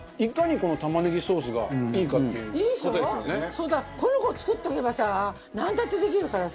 そうだからこの子を作っておけばさなんだってできるからさ。